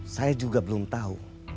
saya juga belum tau